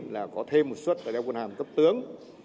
là có thêm một xuất để đeo quân hàm cấp tướng